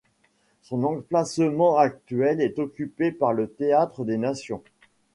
Son emplacement actuel est occupé par le Théâtre des Nations.